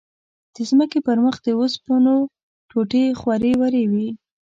د ځمکې پر مخ د اوسپنو ټوټې خورې ورې وې.